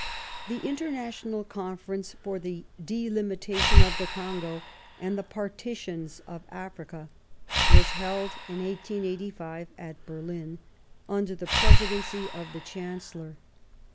The International Conference for the delimitation of the Congo and the partitions of Africa was held in 1885 at Berlin, under the presidency of the Chancellor.